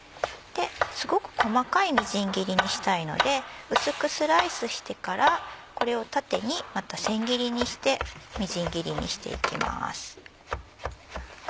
すごく細かいみじん切りにしたいので薄くスライスしてからこれを縦にまた千切りにしてみじん切りにしていきます。